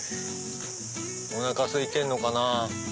おなかすいてるのかな？